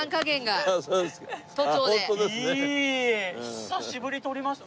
久しぶりに撮りました。